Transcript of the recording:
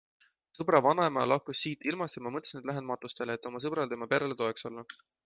Mu sõbra vanaema lahkus siitilmast ja ma mõtlesin, et lähen matustele, et oma sõbrale ja tema perele toeks olla.